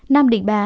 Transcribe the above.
nam định ba